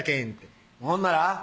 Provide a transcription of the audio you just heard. ほんなら？